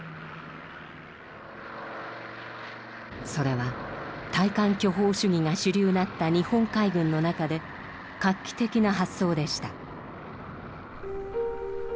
それは大鑑巨砲主義が主流だった日本海軍の中で画期的な発想でした。